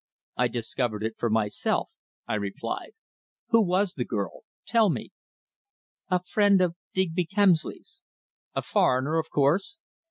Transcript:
"I discovered it for myself," I replied. "Who was the girl tell me?" "A friend of Digby Kemsley's." "A foreigner, of course?"